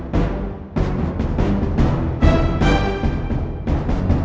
pokok bermain sudah habis